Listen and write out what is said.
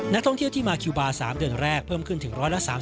นักท่องเที่ยวที่มาคิวบาร์๓เดือนแรกเพิ่มขึ้นถึง๑๓๐